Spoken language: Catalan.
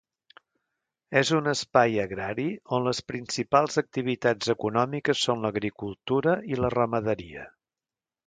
És un espai agrari on les principals activitats econòmiques són l’agricultura i la ramaderia.